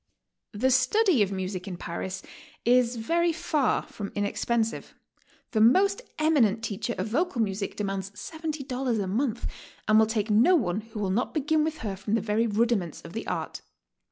The study of music in Paris is very far from inexpensive. The most eminent teacher of vocal music demands $70 a month and will take no one who will not begin with her from the very rudiments of the art.